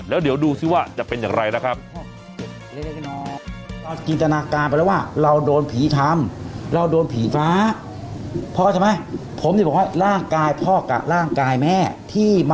แล้วเดี๋ยวดูซิว่าจะเป็นอย่างไรนะครับ